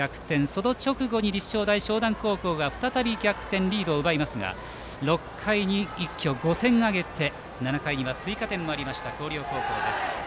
その直後に立正大淞南高校が再び逆転、リードを奪いますが６回に一挙５点を挙げて７回には追加点もあった広陵高校です。